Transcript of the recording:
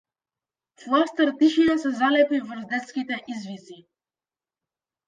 Фластер тишина се залепи врз детските извици.